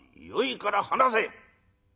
「よいから話せ！」。